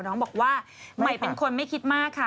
น้องบอกว่าใหม่เป็นคนไม่คิดมากค่ะ